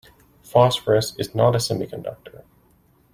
Phosphorus is not a semiconductor.